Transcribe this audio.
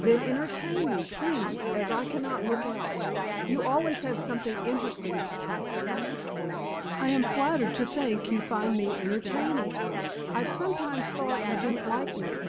Then entertain me, please, as I cannot look out. You always have something interesting to tell." "I am flattered to think you find me entertaining. I've sometimes thought you didn't like me."